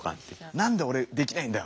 何で俺できないんだよ！